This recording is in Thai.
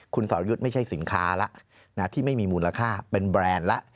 คุณสอรยุตไม่ใช่สินค้าละที่ไม่มีมูลค่าเป็นแบรนด์ละ